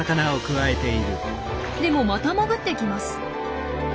でもまた潜っていきます。